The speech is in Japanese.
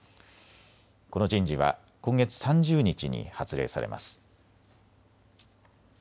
この人事は今月３０日に発令されます。